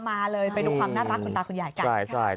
แถมมีสรุปอีกต่างหาก